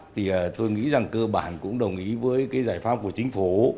thì tôi nghĩ rằng cơ bản cũng đồng ý với cái giải pháp của chính phủ